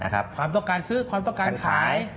ความต้องการซื้อความต้องการขาย